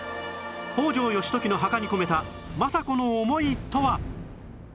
北条義時の墓に込めた政子の思いとは？